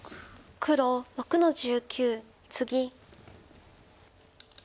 黒６の十九ツギ。